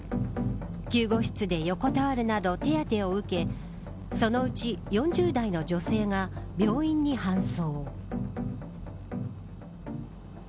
救護室で横たわるなど手当てを受けそのうち４０代の女性が病院に搬送。